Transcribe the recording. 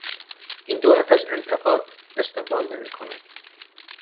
این دولت از انتقاد استقبال نمیکند.